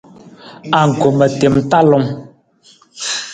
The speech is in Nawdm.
Anggoma tem talung.